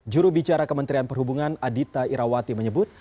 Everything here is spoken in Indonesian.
juru bicara kementerian perhubungan adhita irawati menyebut